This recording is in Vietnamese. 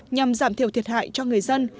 nhằm giảm thiểu thiệt hại cho người dân